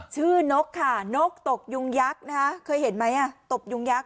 นกค่ะนกตกยุงยักษ์นะคะเคยเห็นไหมตกยุงยักษ